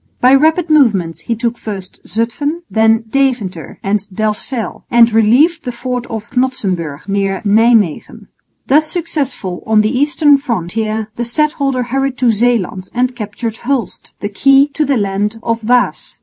By rapid movements he took first Zutphen, then Deventer and Delfzijl, and relieved the fort of Knodsenburg (near Nijmwegen). Thus successful on the eastern frontier, the stadholder hurried to Zeeland and captured Hulst, the key to the land of Waas.